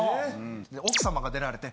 で奥様が出られて。